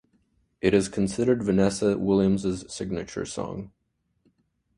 It is considered Vanessa Williams' signature song.